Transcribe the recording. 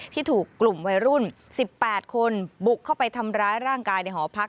ที่ถูกกลุ่มวัยรุ่น๑๘คนบุกเข้าไปทำร้ายร่างกายในหอพัก